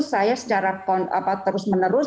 saya secara terus menerus